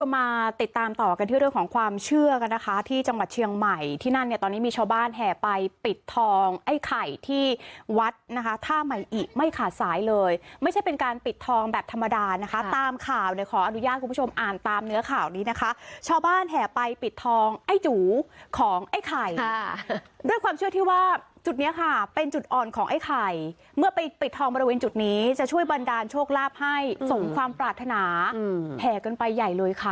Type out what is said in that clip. มาติดตามต่อกันที่เรื่องของความเชื่อกันนะคะที่จังหวัดเชียงใหม่ที่นั่นเนี่ยตอนนี้มีชาวบ้านแห่ไปปิดทองไอ้ไข่ที่วัดนะคะท่าใหม่อิไม่ขาดสายเลยไม่ใช่เป็นการปิดทองแบบธรรมดานะคะตามข่าวเนี่ยขออนุญาตคุณผู้ชมอ่านตามเนื้อข่าวนี้นะคะชาวบ้านแห่ไปปิดทองไอ้ดูของไอ้ไข่ค่ะด้วยความเชื่อที่ว่าจุดเนี้ยค